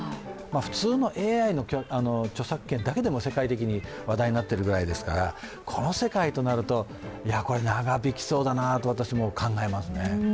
普通のＡＩの著作権だけでも世界的に話題になっていますからこの世界となると長引きそうだなと私も考えますね。